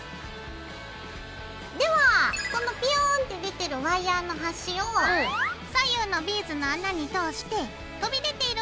ではそのビューンって出てるワイヤーの端を左右のビーズの穴に通して飛び出ているワイヤーを引っ張りながら。